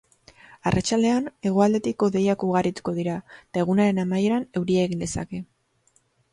Arratsaldean, hegoaldetik hodeiak ugarituko dira, eta egunaren amaieran euria egin lezake.